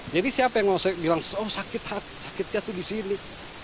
jadi siapa yang mau bilang oh sakit hati sakitnya itu di sini